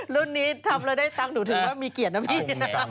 รุ่นนี้ทำแล้วได้ตังค์หนูถือว่ามีเกียรตินะพี่นะ